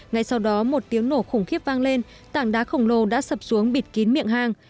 ngay sau đó một tiếng nổ khủng khiếp vang lên tảng đá khổng lồ đã sập xuống bịt kín miệng hang